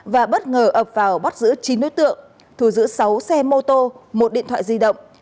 và bất ngờ ập vào bắt giữ chín đối tượng thù giữ sáu xe mô tô một điện thoại di động